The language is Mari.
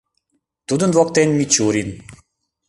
Тудын воктен Мичурин